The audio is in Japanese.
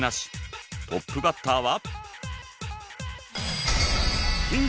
トップバッターは。